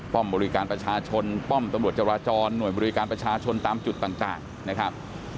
บริการประชาชนป้อมตำรวจจราจรหน่วยบริการประชาชนตามจุดต่างนะครับ